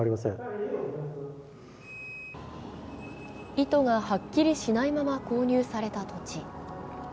意図がはっきりしないまま購入された土地。